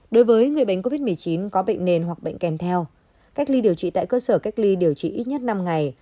đối với người bệnh covid một mươi chín có bệnh nền hoặc bệnh kèm theo cách ly điều trị tại cơ sở cách ly điều trị ít nhất năm ngày